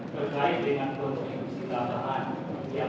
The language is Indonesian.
kok penutup lebih banyak